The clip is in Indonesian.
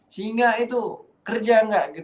singa itu kerja gak